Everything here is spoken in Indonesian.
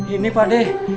ini pak deh